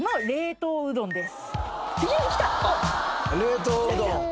冷凍うどん。